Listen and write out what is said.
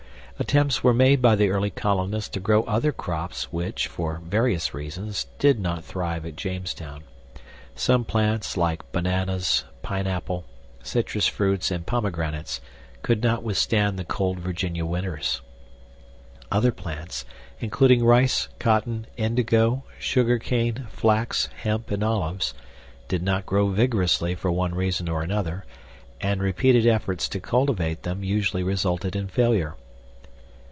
Attempts were made by the early colonists to grow other crops which, for various reasons, did not thrive at Jamestown. Some plants, like bananas, pineapple, citrus fruits, and pomegranates, could not withstand the cold Virginia winters. Other plants, including rice, cotton, indigo, sugarcane, flax, hemp, and olives, did not grow vigorously for one reason or another, and repeated efforts to cultivate them usually resulted in failure.